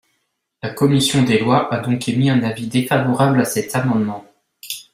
La commission des lois a donc émis un avis défavorable à cet amendement.